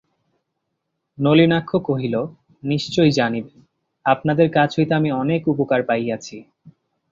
নলিনাক্ষ কহিল, নিশ্চয় জানিবেন, আপনাদের কাছ হইতে আমি অনেক উপকার পাইয়াছি।